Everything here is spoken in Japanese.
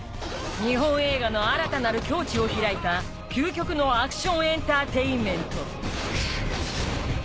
日本映画の新たなる境地を開いた究極のアクションエンターテインメント